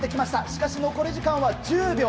しかし、残り時間は１０秒。